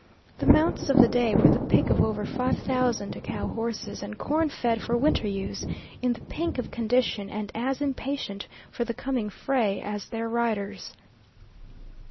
The mounts of the day were the pick of over five thousand cow horses, and corn fed for winter use, in the pink of condition and as impatient for the coming fray as their riders.